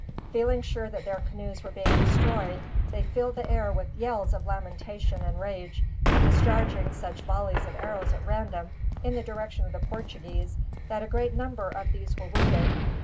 Feeling sure that their canoes were being destroyed, they filled the air with yells of lamentation and rage; discharging such volleys of arrows at random, in the direction of the Portuguese, that a great number of these were wounded.